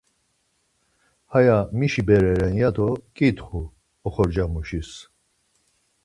Haya mişi bere ren ya do ǩitxu oxorcamuşis.